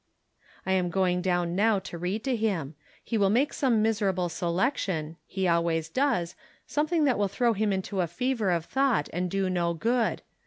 I am going down now to read to him. He will make some miserable selection — ^he always does — something that will throw him into a fever of thought, and do no good.